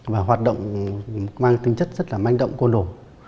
và hoạt động mang tính chất rất là manh động côn nổ